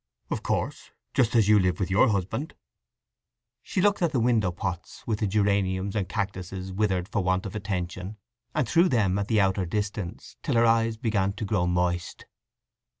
"Of course—just as you live with your husband." She looked at the window pots with the geraniums and cactuses, withered for want of attention, and through them at the outer distance, till her eyes began to grow moist.